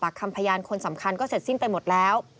คำพยานคนสำคัญก็เสร็จสิ้นไปหมดแล้ว